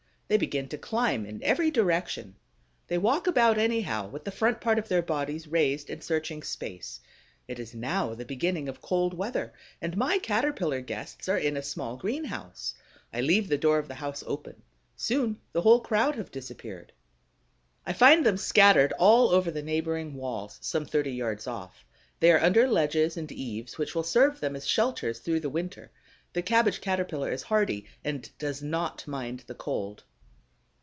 They begin to climb in every direction. They walk about anyhow, with the front part of their bodies raised and searching space. It is now the beginning of cold weather, and my Caterpillar guests are in a small greenhouse. I leave the door of the house open. Soon the whole crowd have disappeared. I find them scattered all over the neighboring walls, some thirty yards off. They are under ledges and eaves, which will serve them as shelters through the winter. The Cabbage caterpillar is hardy and does not mind the cold.